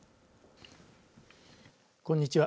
こんにちは。